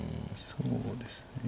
そうですね。